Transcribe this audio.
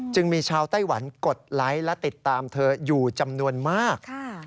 จึงมีชาวไต้หวันกดไลค์และติดตามเธออยู่จำนวนมาก